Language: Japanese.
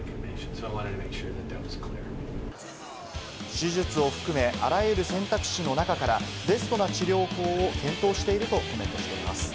手術を含め、あらゆる選択肢の中からベストな治療法を検討しているとコメントしています。